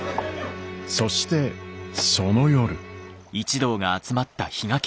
そしてその夜。